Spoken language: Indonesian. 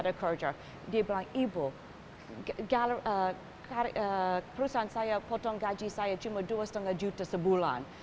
dia bilang ibu perusahaan saya potong gaji saya cuma dua lima juta sebulan